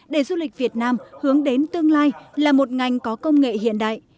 để du lịch việt nam hướng đến tương lai là một ngành có công nghệ hiện đại